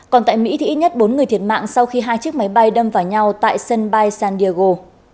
còn tại mỹ thì ít nhất bốn người thiệt mạng sau khi hai chiếc máy bay đâm vào nhau tại sân bay san diego